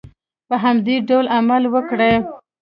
په همدې ډول عمل وکړئ.